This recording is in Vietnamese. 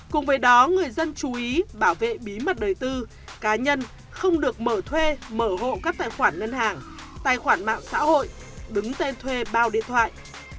cùng với đó người dân chú ý bảo vệ bí mật đời tư cá nhân không được mở thuê mở hộ các tài khoản ngân hàng tài khoản mạng xã hội đứng tên thuê bao điện thoại